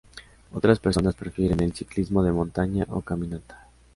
Otras personas prefieren el ciclismo de montaña o caminata.